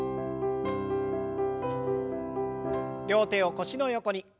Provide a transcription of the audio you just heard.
両手を腰の横に。